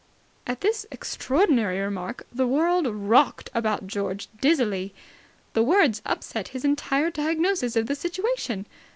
At this extraordinary remark the world rocked about George dizzily. The words upset his entire diagnosis of the situation.